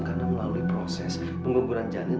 karena melalui proses pengungguran janin